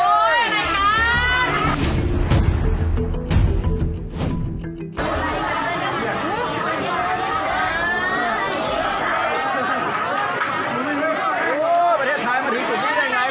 โอ้โหประเทศไทยมาถึงจุดนี้ได้ยังไงไม่รู้เนี้ยดูดูว่าคนอดหยาบ